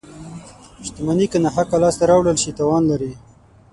• شتمني که ناحقه لاسته راوړل شي، تاوان لري.